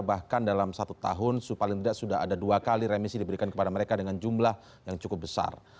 bahkan dalam satu tahun paling tidak sudah ada dua kali remisi diberikan kepada mereka dengan jumlah yang cukup besar